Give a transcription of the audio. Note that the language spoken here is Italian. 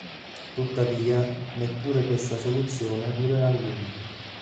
Tuttavia, neppure questa soluzione durerà a lungo.